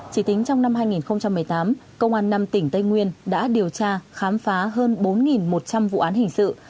chỉ tính trong năm hai nghìn một mươi tám công an năm tỉnh tây nguyên đã điều tra khám phá hơn bốn một trăm linh vụ án hình sự